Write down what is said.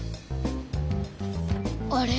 あれ？